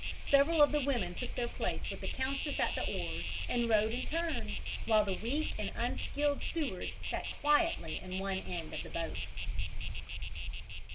Several of the women took their place with the countess at the oars and rowed in turns, while the weak and unskilled stewards sat quietly in one end of the boat."